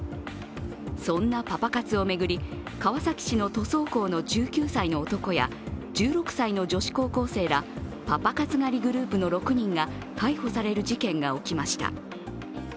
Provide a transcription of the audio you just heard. そんなパパ活を巡り、川崎市の塗装工の１９歳の男や１６歳の女子高校生らパパ活狩りグループの６人が逮捕される事件が起きました。